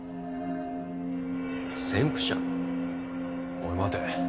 おい待て。